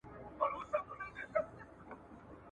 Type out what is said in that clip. د باوړۍ اوبه مي هر ګړی وچېږي